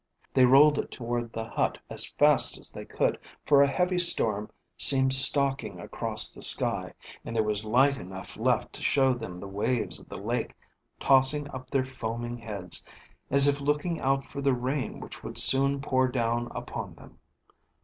They rolled it toward the hut as fast as they could, for a heavy storm seemed stalking across the sky, and there was light enough left to show them the waves of the lake tossing up their foaming heads, as if looking out for the rain which would soon pour down upon them.